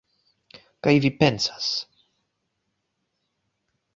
Kaj vi pensas